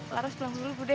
laras pulang dulu budi